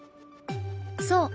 そう。